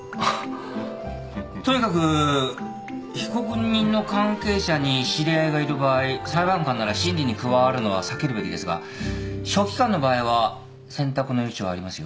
とにかく被告人の関係者に知り合いがいる場合裁判官なら審理に加わるのは避けるべきですが書記官の場合は選択の余地はありますよ。